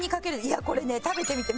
いやこれね食べてみて。